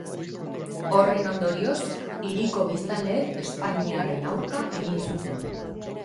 Horren ondorioz, hiriko biztanleek espainiarren aurka egin zuten.